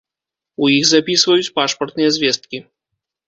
У іх запісваюць пашпартныя звесткі.